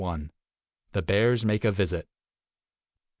.270 4 THE BEARS MAKE A VISIT.